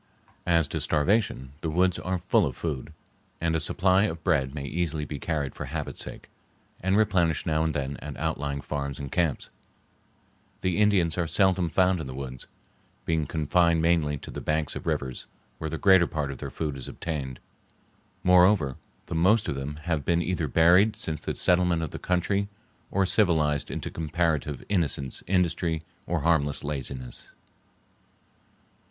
As to starvation, the woods are full of food, and a supply of bread may easily be carried for habit's sake, and replenished now and then at outlying farms and camps. The Indians are seldom found in the woods, being confined mainly to the banks of the rivers, where the greater part of their food is obtained. Moreover, the most of them have been either buried since the settlement of the country or civilized into comparative innocence, industry, or harmless laziness.